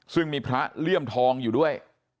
ซึ่งมีพระเลี่ยมทองอยู่ด้วย